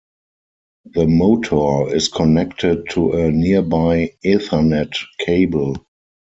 The motor is connected to a nearby Ethernet cable.